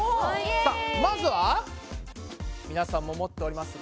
さあまずはみなさんも持っております